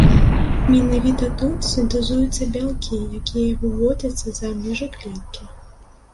Менавіта тут сінтэзуюцца бялкі, якія выводзяцца за межы клеткі.